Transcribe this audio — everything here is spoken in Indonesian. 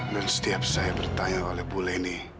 dan setiap saya bertanya oleh buleni